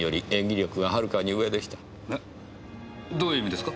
どういう意味ですか？